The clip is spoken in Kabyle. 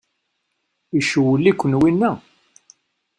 Icewwel-iken winna?